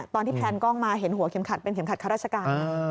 แพนกล้องมาเห็นหัวเข็มขัดเป็นเข็มขัดข้าราชการ